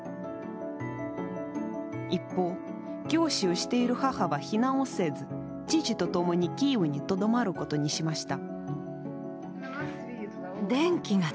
一方、教師をしている母は避難をせず、父とともにキーウにとどまることにしました。